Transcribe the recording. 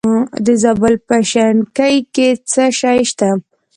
د زابل په شنکۍ کې څه شی شته؟